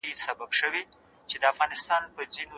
ذخيره د يخچال دننه منظم کړئ.